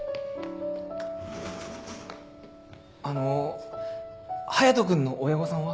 あの隼人君の親御さんは？